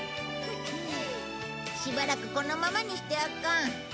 しばらくこのままにしておこう。